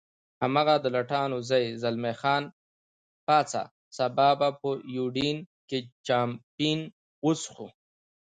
هماغه د لټانو ځای، زلمی خان پاڅه، سبا به په یوډین کې چامپېن وڅښو.